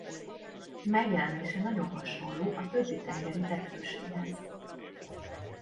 Megjelenése nagyon hasonló a többi tengeri teknőséhez.